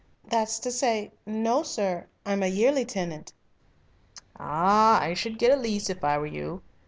"That's to say no, sir, I am a yearly tenant." "Ah, I should get a lease if I were you.